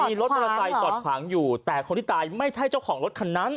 มีรถมอเตอร์ไซค์จอดขวางอยู่แต่คนที่ตายไม่ใช่เจ้าของรถคันนั้น